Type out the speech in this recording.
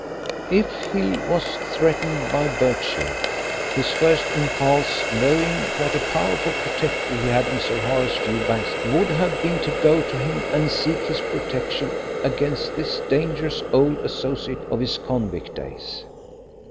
If Hill was threatened by Birchill, his first impulse, knowing what a powerful protector he had in Sir Horace Fewbanks, would have been to go to him and seek his protection against this dangerous old associate of his convict days.